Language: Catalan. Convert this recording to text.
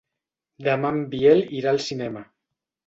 Demà en Biel irà al cinema.